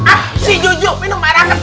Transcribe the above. aksi jujur minum air anget